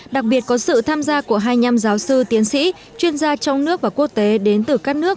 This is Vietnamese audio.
đặc biệt có sự tham gia của hai mươi năm giáo sư tiến sĩ chuyên gia trong nước và quốc tế đến từ các nước